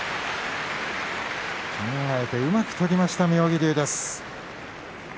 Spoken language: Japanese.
考えてうまく取りました妙義龍です。